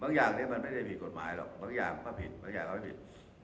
อย่างนี้มันไม่ได้ผิดกฎหมายหรอกบางอย่างก็ผิดบางอย่างก็ไม่ผิด